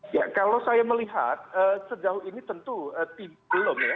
ya kalau saya melihat sejauh ini tentu belum ya